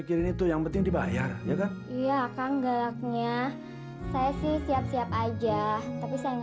kalau diberi hati untuk favourite video